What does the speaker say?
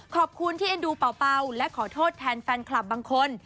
ขอบคุณที่เอ็นดูเป่าและขอโทษแทนแฟนคลับบางคน